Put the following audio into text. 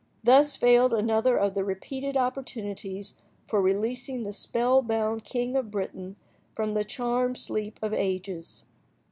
Thus failed another of the repeated opportunities for releasing the spell–bound king of Britain from the "charmed sleep of ages."